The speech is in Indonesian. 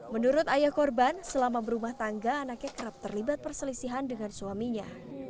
menurut ayah korban selama berumah tangga anaknya kerap terlibat perselisihan dengan suaminya